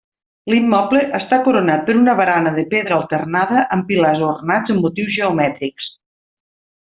L'immoble està coronat per una barana de pedra alternada amb pilars ornats amb motius geomètrics.